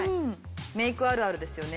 メイクあるあるですよね。